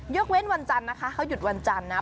เว้นวันจันทร์นะคะเขาหยุดวันจันทร์นะ